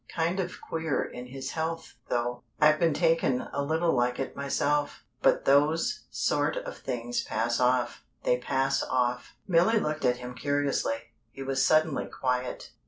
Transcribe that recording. "Kind of queer in his health, though. I've been taken a little like it myself, but those sort of things pass off they pass off." Milly looked at him curiously. He was suddenly quiet.